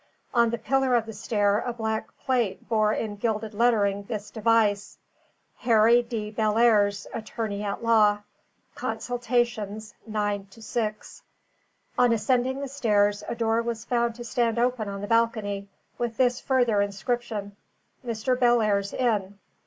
On the pillar of the stair a black plate bore in gilded lettering this device: "Harry D. Bellairs, Attorney at law. Consultations, 9 to 6." On ascending the stairs, a door was found to stand open on the balcony, with this further inscription, "Mr. Bellairs In."